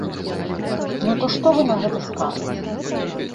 Ну то што вы на гэта скажаце?